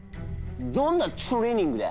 どんなトレーニングだ？